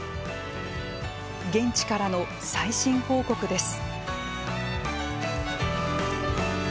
現地からの最新報告です。